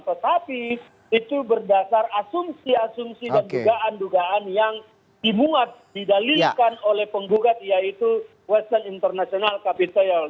tetapi itu berdasar asumsi asumsi dan dugaan dugaan yang dimuat didalilkan oleh penggugat yaitu western international capital